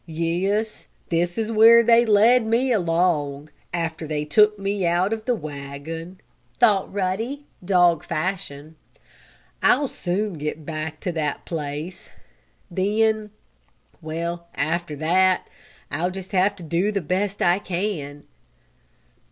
"Yes, this is where they led me along, after they took me out of the wagon," thought Ruddy, dog fashion. "I'll soon get back to that place. Then well, after that, I'll have to do the best I can."